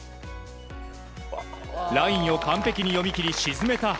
ラインを完璧に読み切り沈めた原。